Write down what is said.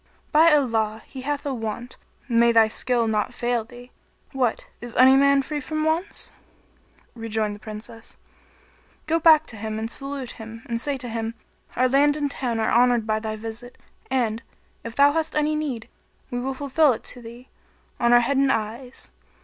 By Allah, he hath a want, may thy skill not fail thee. What! is any man free from wants?" Rejoined the Princess, "Go back to him and salute him and say to him, 'Our land and town are honoured by thy visit and, if thou have any need, we will fulfil it to thee, on our head and eyes.'